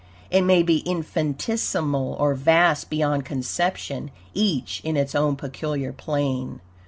It may be infinitesimal, or vast beyond conception, each in its own peculiar plane.